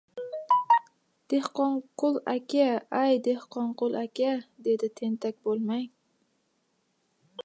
— Dehqonqul aka, ay, Dehqonqul aka! — dedi. — Tentak bo‘lmang!